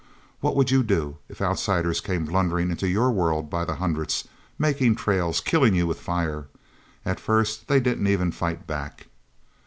"What would you do if outsiders came blundering into your world by the hundreds, making trails, killing you with fire? At first, they didn't even fight back."